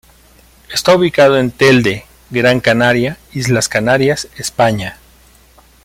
Está ubicado en Telde, Gran Canaria, Islas Canarias, España.